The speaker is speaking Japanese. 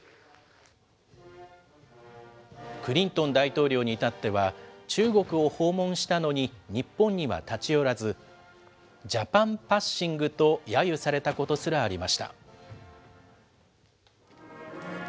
クリントン大統領に至っては、中国を訪問したのに日本には立ち寄らず、ジャパン・パッシングとやゆされたことすらありました。